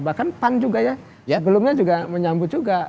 bahkan pan juga ya belumnya juga menyambut juga